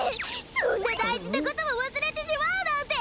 そんなだいじなこともわすれてしまうなんて！